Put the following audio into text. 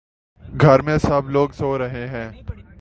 گھر میں سب لوگ سو رہے ہیں